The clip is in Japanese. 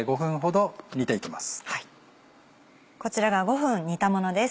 こちらが５分煮たものです。